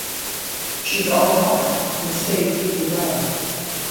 She’s all heart and stays really well.